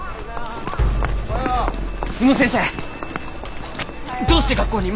宇野先生どうして学校に？